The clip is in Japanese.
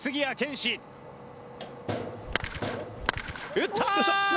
打った！